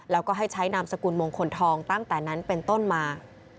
แล้วก็ให้ใช้นามสกุลมงคลทองตั้งแต่นั้นเป็นต้นมา